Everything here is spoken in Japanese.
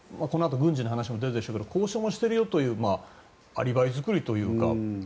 このあと軍事の話も出るでしょうけど交渉もしてるよっていうアリバイ作りというか。